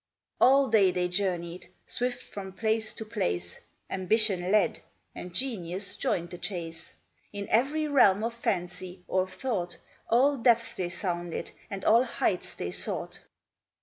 All day they journeyed, swift from place to place; Ambition led, and Genius joined the chase. In every realm of fancy, or of thought, All depths they sounded, and all heights they sought.